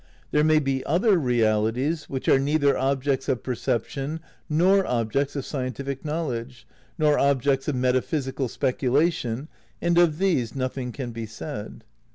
There may be other realities which are neither objects of perception nor objects of scientific knowledge, nor objects of meta physical speculation, and of these nothing can be said.